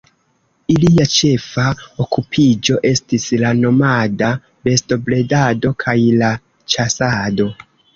Ilia ĉefa okupiĝo estis la nomada bestobredado kaj la ĉasado.